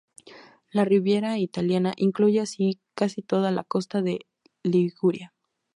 La Riviera italiana incluye así casi toda la costa de Liguria.